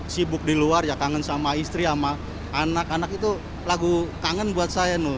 sibuk di luar ya kangen sama istri sama anak anak itu lagu kangen buat saya